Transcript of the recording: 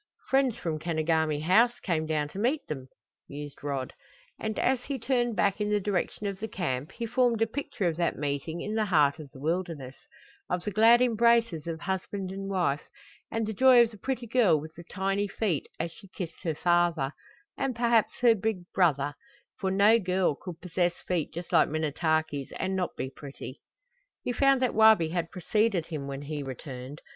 "Friends from Kenogami House came down to meet them," mused Rod, and as he turned back in the direction of the camp he formed a picture of that meeting in the heart of the wilderness, of the glad embraces of husband and wife, and the joy of the pretty girl with the tiny feet as she kissed her father, and perhaps her big brother; for no girl could possess feet just like Minnetaki's and not be pretty! He found that Wabi had preceded him when he returned.